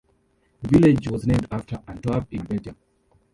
The village was named after Antwerp, in Belgium.